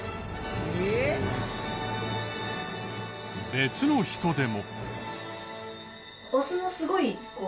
別の人でも。